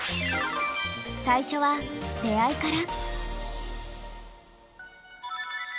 最初は出会いから。